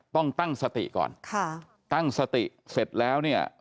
ต้องตั้งสติก่อนค่ะตั้งสติเสร็จแล้วเนี่ย